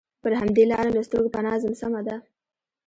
پر همدې لاره له سترګو پناه ځم، سمه ده.